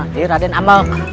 nah ini raden amok